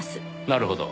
なるほど。